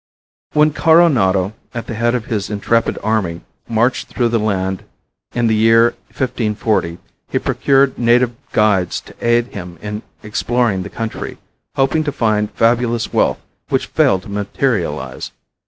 When Coronado, at the head of his intrepid army, marched through the land in the year 1540, he procured native guides to aid him in exploring the country, hoping to find fabulous wealth which failed to materialize.